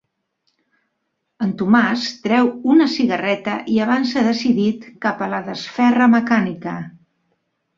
El Tomàs treu una cigarreta i avança decidit cap a la desferra mecànica.